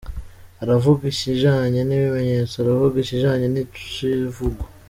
Aravuga ikijanye n'ibimenyetso, aravuga ikijanye n'icivugo.